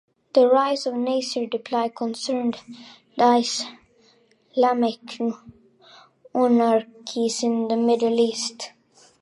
The rise of Nasser deeply concerned Islamic monarchies in the Middle East.